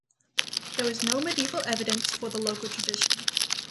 There is no medieval evidence for the local tradition.